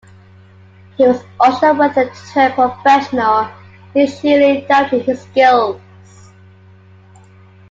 He was unsure whether to turn professional, initially doubting his skills.